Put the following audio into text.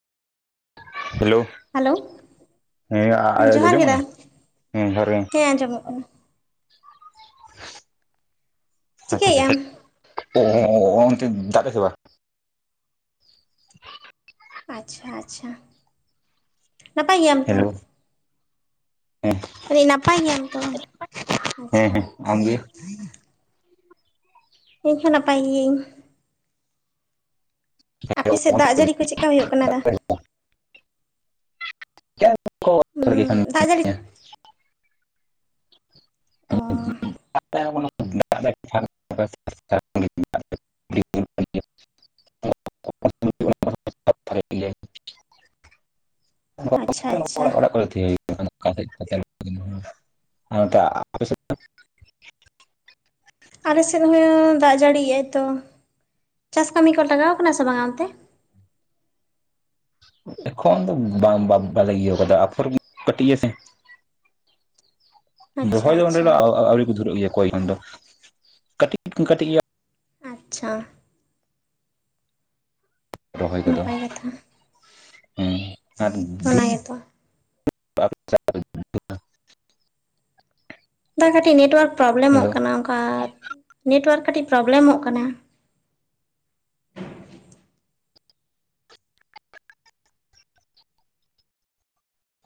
Hello. Hello. ᱦᱮᱸ ᱟ ᱟ ᱟ ᱡᱚ ᱡᱚᱢ ᱠᱟᱱᱟ? ᱦᱮᱸ ᱡᱚᱦᱟᱨ ᱜᱮ᱾ ᱦᱮᱸ ᱟᱸᱡᱚᱢᱚᱜ ᱠᱟᱱᱟ ᱟᱨ ᱪᱤᱠᱟᱹᱭᱮᱜ ᱛᱟᱦᱚᱞᱮ ᱟᱢ ᱠᱷᱟᱡ ᱚ ᱚ ᱚ ᱚ ᱚ ᱚᱱᱛᱮ ᱫᱟᱜ [unintelligible] ᱥᱮ ᱵᱟᱝ? ᱟᱪᱪᱷᱟ ᱟᱪᱪᱷᱟ, ᱱᱟᱯᱟᱭ ᱜᱮᱭᱟᱢ ᱛᱚ? ᱦᱮᱞᱳ ᱦᱮᱸ ᱞᱟᱹᱭ ᱟᱹᱧ ᱱᱟᱯᱟᱭ ᱜᱮᱭᱟᱢ ᱛᱚ? ᱦᱮᱸ ᱟᱪᱪᱷᱟ᱾ ᱦᱮᱸ ᱟᱢᱜᱮ ᱤᱧ ᱦᱚᱸ ᱱᱟᱯᱟᱭ ᱜᱤᱭᱟᱹᱧ᱾ ᱟᱯᱮ ᱥᱮᱫ ᱫᱟᱜ ᱡᱟᱹᱲᱤ ᱠᱚ ᱪᱮᱫᱠᱟ ᱦᱳᱭᱳᱜ ᱠᱟᱱᱟ ᱫᱟ? [inaudible] ᱪᱮᱫ ᱠᱚ [inaudible] ᱜᱟᱜ ᱡᱟᱹᱲᱤ ᱚ [inaudible] [inaudible] [inaudible] [inaudible] ᱟᱪᱪᱷᱟ ᱟᱪᱪᱷᱟ ᱚᱲᱟᱜ ᱚᱲᱟᱜ ᱠᱚᱨᱮ [inaudible] [inaudible] ᱟᱨ ᱚᱱᱛᱮ ᱟᱯᱮ ᱥᱮᱫ ᱫᱚ? ᱟᱞᱮ ᱥᱮᱫ ᱦᱚᱸ ᱫᱟᱜ ᱡᱟᱹᱲᱤᱭᱮᱜ-ᱟᱭ ᱛᱚ᱾ ᱪᱟᱥ ᱠᱟᱹᱢᱤ ᱠᱚ ᱞᱟᱜᱟᱣ ᱠᱟᱱᱟ ᱥᱮ ᱵᱟᱝᱟ ᱚᱱᱛᱮ? ᱮᱠᱷᱚᱱ ᱫᱚ ᱵᱟᱝ ᱵᱟ ᱵᱟ ᱵᱟᱞᱮ ᱤᱭᱟᱹᱣ ᱠᱟᱫᱟ ᱟᱯᱷᱚᱨ [inaudible] ᱟᱪᱪᱷᱟ ᱫᱚᱦᱚᱭ ᱫᱚ ᱚᱸᱰᱮ ᱟᱪᱪᱷᱟ ᱫᱚ ᱟᱣ ᱟᱣ ᱟᱹᱣᱨᱤ ᱠᱚ ᱫᱷᱩᱨᱟᱹᱜ ᱜᱮᱭᱟ ᱚᱠᱚᱭ ᱮᱠᱷᱚᱱ ᱫᱚ, ᱠᱟᱹᱴᱤᱡ ᱠᱟᱹᱴᱤᱡ [inaudible] ᱟᱪᱪᱷᱟ᱾ ᱨᱚᱦᱚᱭ ᱠᱚᱫᱚ ᱱᱟᱯᱟᱭ ᱠᱟᱛᱷᱟ ᱦᱩᱸ᱾ ᱚᱱᱟ ᱜᱮ ᱛᱚ᱾ [unintelligible] ᱫᱟ ᱠᱟᱹᱴᱤᱡ ᱱᱮᱴᱚᱣᱟᱨᱠ ᱯᱨᱚᱵᱞᱮᱢᱚᱜ ᱦᱮᱞᱳ ᱠᱟᱱᱟ ᱚᱱᱠᱟ ᱱᱮᱴᱣᱟᱨᱠ ᱠᱟᱴᱤᱡ ᱯᱨᱚᱵᱞᱮᱢᱚᱜ ᱠᱟᱱᱟ